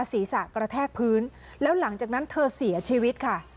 ศีรษะกระแทกพื้นแล้วหลังจากนั้นเธอเสียชีวิตค่ะ